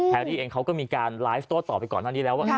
แรรี่เองเขาก็มีการไลฟ์โต้ต่อไปก่อนหน้านี้แล้วว่า